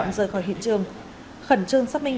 rời khỏi hiện trường khẩn trương xác minh